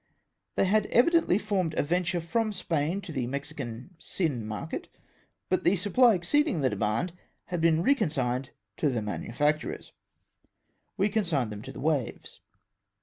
They had evidently formed a venture from Spain to the Mexican sin market, but the supply exceeding the demand, had been reconsigned to the manufacturers. We consigned them to the waves.